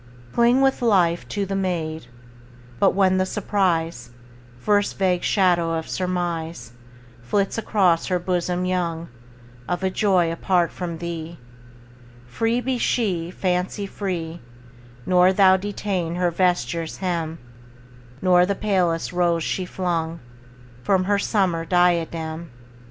Cling with life to the maid; But when the surprise, First vague shadow of surmise Flits across her bosom young, Of a joy apart from thee, Free be she, fancy free; Nor thou detain her vesture's hem, Nor the palest rose she flung From her summer diadem.